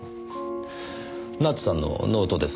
奈津さんのノートです。